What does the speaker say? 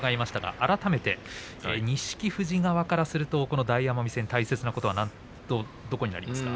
改めて錦富士側からするとこの大奄美戦大切なことはどういうことですか。